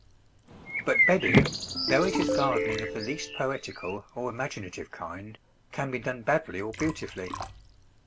But bedding, though it is gardening of the least poetical or imaginative kind, can be done badly or beautifully.